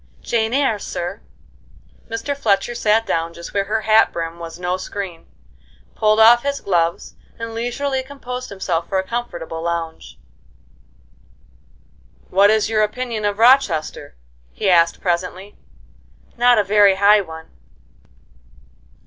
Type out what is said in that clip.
"'Jane Eyre,' sir." Mr. Fletcher sat down just where her hat brim was no screen, pulled off his gloves, and leisurely composed himself for a comfortable lounge. "What is your opinion of Rochester?" he asked, presently. "Not a very high one."